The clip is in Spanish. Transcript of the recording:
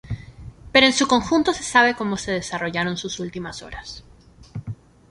Pero en su conjunto se sabe como se desarrollaron sus últimas horas.